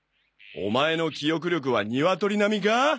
オマエの記憶力はニワトリ並みか？